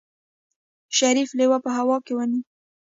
شريف لېوه په هوا کې ونيو.